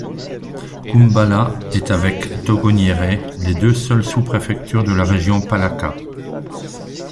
Koumbala est avec Togoniéré les deux seules sous-préfectures de la région Palaka.